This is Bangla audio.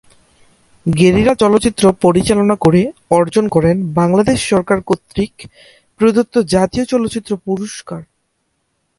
গেরিলা চলচ্চিত্র পরিচালনা করে অর্জন করেন বাংলাদেশ সরকার কর্তৃক প্রদত্ত জাতীয় চলচ্চিত্র পুরস্কার।